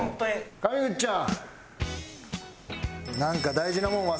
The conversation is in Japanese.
上口ちゃん。